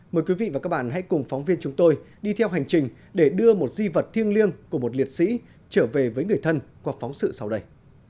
mời quý vị và các bạn hãy cùng phóng viên chúng tôi đi theo hành trình để đưa một di vật thiêng liêng của một liệt sĩ trở về với người thân qua phóng sự sau đây